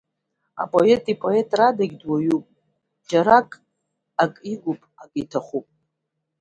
Апоет ипоетра адагь, дуаҩуп, џьарак ак игуп, ак иҭахуп.